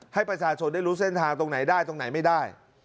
ให้ประชาชนได้รู้เส้นทางตรงไหนได้ตรงไหนไม่ได้